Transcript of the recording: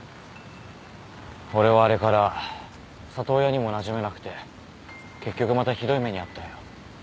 俺はあれから里親にもなじめなくて結局またひどい目に遭ったよ